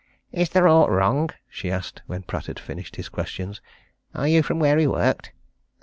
"Is there aught wrong?" she asked, when Pratt had finished his questions. "Are you from where he worked?"